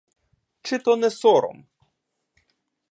Чи то не сором.